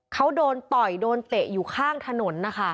เขาโดนต่อยโดนเตะอยู่ข้างถนนนะคะ